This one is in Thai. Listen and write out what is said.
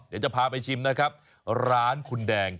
เดี๋ยวจะพาไปชิมนะครับร้านคุณแดง